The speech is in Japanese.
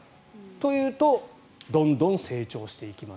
というと、どんどん成長していきます。